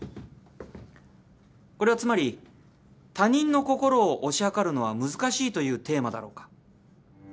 これはつまり他人の心を推し量るのは難しいというテーマだろうか。